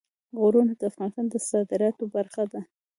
غرونه د افغانستان د صادراتو برخه ده.